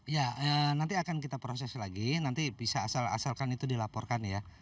ya nanti akan kita proses lagi nanti bisa asalkan itu dilaporkan ya